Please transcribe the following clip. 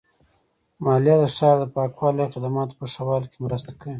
مالیه د ښار د پاکوالي او خدماتو په ښه والي کې مرسته کوي.